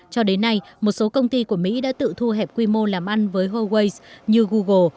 cho đến nay một số công ty của mỹ đã tự thu hẹp quy mô làm ăn với huawei như google